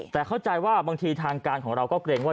แต่เข้าใจว่าบางทีทางการของเราก็เกรงว่า